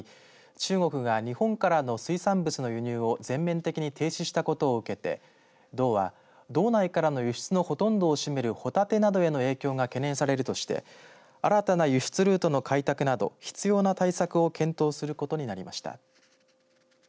中国が日本からの水産物の輸入を全面的に停止したことを受けてきょうは道内からの輸出のほとんどを占めるホタテなどへの影響が懸念されるとして新たな輸出ルートの開拓など必要な対策を検討することになりました。